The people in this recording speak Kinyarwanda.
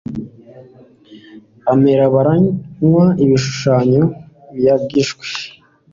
aremera baramya ibishushanyo biyagijwe